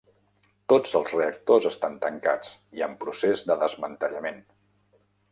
Tots els reactors estan tancats i en procés de desmantellament.